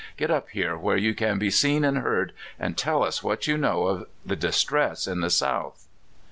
Get up here where you can be seen and heard, and tell us what you know of the distress in the South."